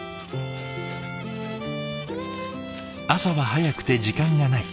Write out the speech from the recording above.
朝は早くて時間がない。